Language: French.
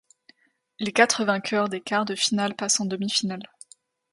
Les quatre vainqueurs des quarts de finale passent en demi-finales.